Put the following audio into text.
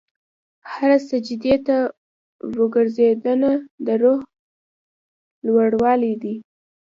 هره سجدې ته ورکوځېدنه، د روح لوړوالی دی.